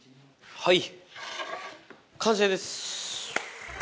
はい。